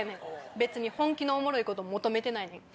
別に本気のおもろいこと求めてないねん。